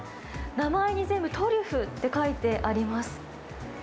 名前に全部、トリュフって書いてあります。